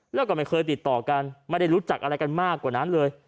แล้วก็ไม่เคยติดต่อกันไม่ได้รู้จักอะไรกันมากกว่านั้นเลย